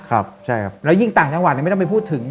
แล้วยิ่งต่างจังหวัดไม่ต้องไปพูดถึง